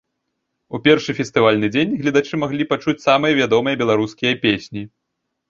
У першы фестывальны дзень гледачы маглі пачуць самыя вядомыя беларускія песні.